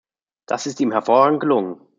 Das ist ihm hervorragend gelungen.